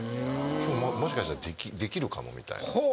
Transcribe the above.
今日もしかしたらできるかもみたいな。